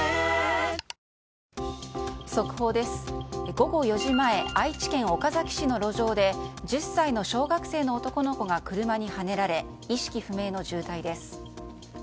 午後４時前愛知県岡崎市の路上で１０歳の小学生の男の子が車にはねられ意識不明の重体です。